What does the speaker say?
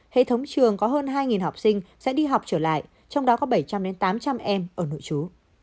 hệ thống trường có hơn hai học sinh sẽ đi học trở lại trong đó có bảy trăm linh tám trăm linh em ở nội trú